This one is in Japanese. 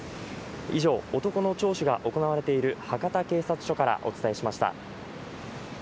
以上、男の聴取が行われている博多警察署からお伝えしました。